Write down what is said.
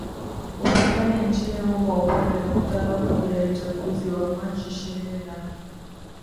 upinzani nchini humo kufanya mikutano kabla ya uchaguzi wa machi ishirini na